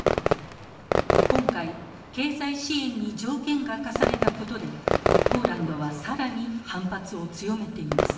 今回経済支援に条件が課されたことでポーランドは更に反発を強めています。